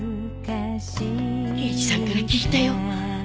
刑事さんから聞いたよ。